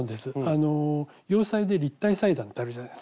あの洋裁で立体裁断ってあるじゃないですか。